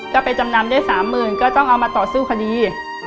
ก็ไปจำนำได้๓๐๐๐ก็ต้องเอามาต่อสู้คดี